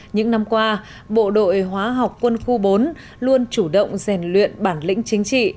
những năm qua bộ đội hóa học quân khu bốn luôn chủ động rèn luyện bản lĩnh chính trị